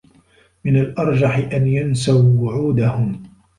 من الأرجح أن ينسوا وعودهم.